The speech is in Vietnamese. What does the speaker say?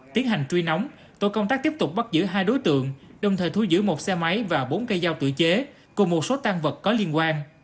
tiến hành truy nóng tổ công tác tiếp tục bắt giữ hai đối tượng đồng thời thu giữ một xe máy và bốn cây dao tự chế cùng một số tan vật có liên quan